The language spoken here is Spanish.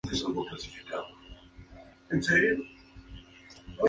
Tras la rendición de Francia, navegó hasta Plymouth.